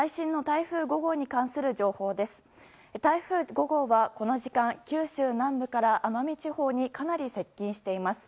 台風５号は、この時間九州南部から奄美地方にかなり接近しています。